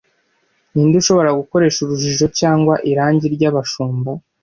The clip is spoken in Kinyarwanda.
Ninde ushobora gukoresha urujijo cyangwa irangi ry'abashumba